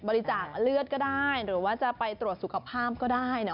บริจาคเลือดก็ได้หรือว่าจะไปตรวจสุขภาพก็ได้นะ